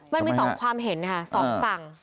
มันมีสองความเห็นสองฝั่ง